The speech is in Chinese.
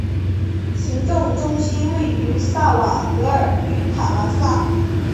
行政中心位于萨瓦德尔与塔拉萨。